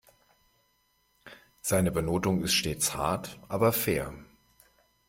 Seine Benotung ist stets hart aber fair.